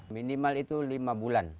minimal itu lima bulan